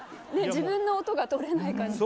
自分の音が取れない感じ